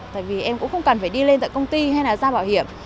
tại vì em cũng không cần phải đi lên tại công ty hay là ra bảo hiểm